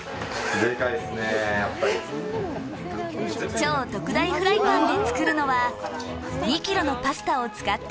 超特大フライパンで作るのは、２ｋｇのパスタを使った